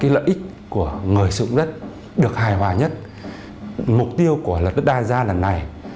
lợi ích của người sử dụng đất được hài hòa nhất mục tiêu của luật đất đai ra lần này